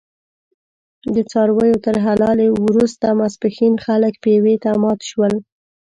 د څارویو تر حلالې وروسته ماسپښین خلک پېوې ته مات شول.